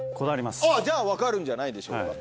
じゃあ分かるんじゃないでしょうか。